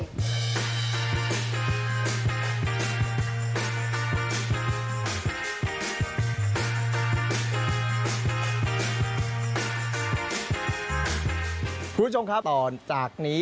คุณผู้ชมครับต่อจากนี้